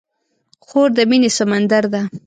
خور د مینې سمندر ده.